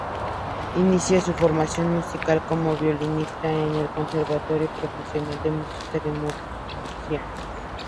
Inicia su formación musical como violinista en el Conservatorio Profesional de Música de Murcia.